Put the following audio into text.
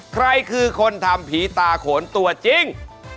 ใครคือคนทำผีตาโขนตัวจริง